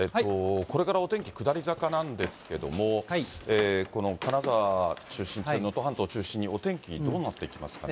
これからお天気、下り坂なんですけども、この金沢中心、能登半島中心に、お天気どうなっていきますかね。